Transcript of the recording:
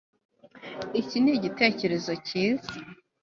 Iki ni igitekerezo cyiza